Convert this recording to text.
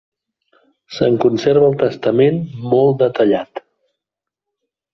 Se'n conserva el testament, molt detallat.